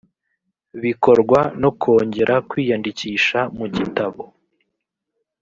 bikorwa no kongera kwiyandikisha mu gitabo